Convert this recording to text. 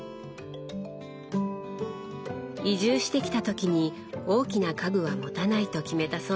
移住してきた時に大きな家具は持たないと決めたそうです。